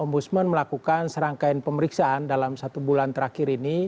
ombudsman melakukan serangkaian pemeriksaan dalam satu bulan terakhir ini